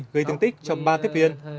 gây tương tích cho ba tiếp viên